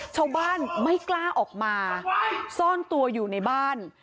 ชาวบ้านไม่กล้าออกมาซ่อนตัวอยู่ในบ้าน